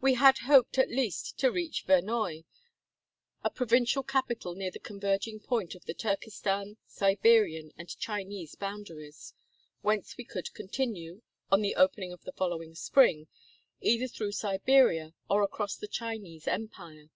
We had hoped at least to reach Vernoye, a provincial capital near the converging point of the Turkestan, Siberian, and Chinese boundaries, whence we could continue, on the opening of the following spring, either through Siberia or across the Chinese empire.